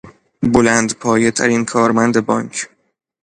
بلندپایهترین کارمند بانک